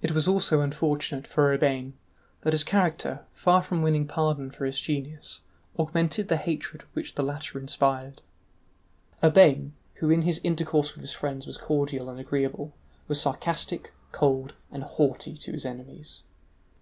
It was also unfortunate for Urbain that his character, far from winning pardon for his genius, augmented the hatred which the latter inspired. Urbain, who in his intercourse with his friends was cordial and agreeable, was sarcastic, cold, and haughty to his enemies.